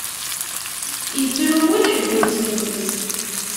Ittru wul, ḥedd ur t-iwwit.